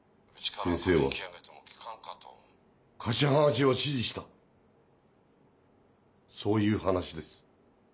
先生は貸し剥がしを指示したそういう話です。